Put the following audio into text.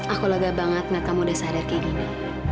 aku loga banget enggak kamu sudah sadar kayak gini